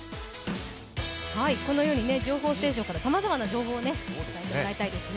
このように情報ステーションからさまざまな情報を伝えてもらいたいですね。